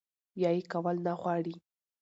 يا ئې کول نۀ غواړي